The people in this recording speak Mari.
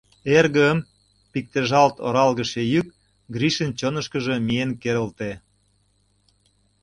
— Эргым!.. — пиктежалт оралгыше йӱк Гришын чонышкыжо миен керылте.